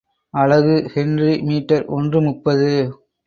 அலகு henry metre ஒன்று முப்பது.